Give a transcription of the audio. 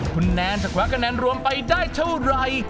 คุณแนนถ้าแวะกระแนนรวมไปได้เท่าไหร่